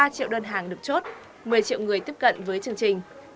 ba triệu đơn hàng được chốt một mươi triệu người tiếp cận với chương trình